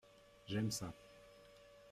J’aime ça.